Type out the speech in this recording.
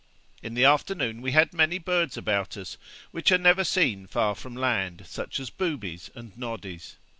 In the afternoon we had many birds about us, which are never seen far from land, such as boobies and noddies.'